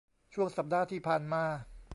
ช่วงสัปดาห์ที่ผ่านมา